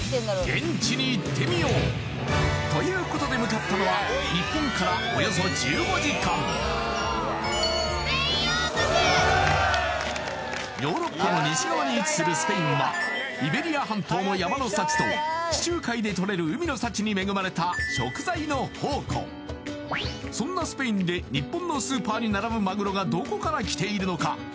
現地に行ってみようということで向かったのは日本からおよそ１５時間ヨーロッパの西側に位置するスペインはと地中海でとれる海の幸に恵まれたそんなスペインで日本のスーパーに並ぶマグロがどこから来ているのか？